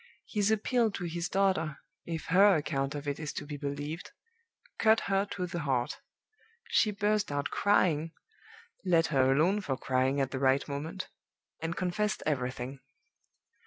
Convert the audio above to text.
His appeal to his daughter (if her account of it is to be believed) cut her to the heart. She burst out crying (let her alone for crying at the right moment!) and confessed everything.